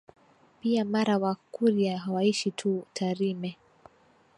Pia Mara Wakurya hawaishi tu Tarime